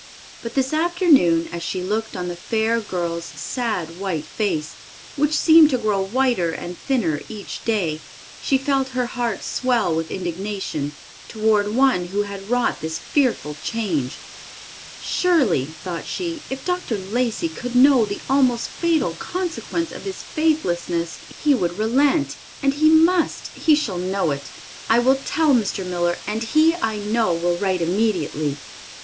But, this afternoon, as she looked on the fair girl's sad, white face, which seemed to grow whiter and thinner each day, she felt her heart swell with indignation toward one who had wrought this fearful change. "Surely," thought she, "if Dr. Lacey could know the almost fatal consequence of his faithlessness he would relent; and he must, he shall know it. I will tell Mr. Miller and he I know will write immediately."